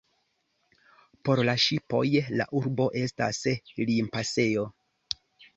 Por la ŝipoj la urbo estas limpasejo.